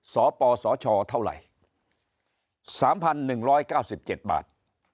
สปสชเท่าไหร่๓๑๙๗บาท